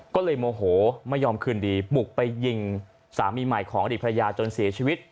ก็เลยโมโหไม่ยอมคืนดีบุกไปยิงสามีใหม่ของอดีตภรรยาจนเสียชีวิต